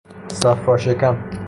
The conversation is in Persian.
صفرا شکن